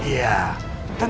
aku akan menemukanmu